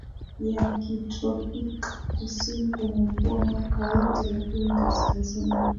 ya kitropiki Kusini kuna mvua mwaka wote lakini kaskazini